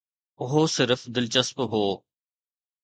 اهو صرف دلچسپ هو